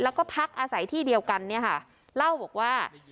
แล้วก็พักอาศัยที่เดียวกันเนี่ยค่ะเล่าบอกว่า